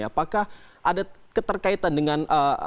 apakah ada keterkaitan dengan